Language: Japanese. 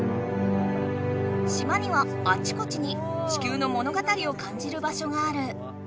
島にはあちこちに地球の物語を感じる場所がある。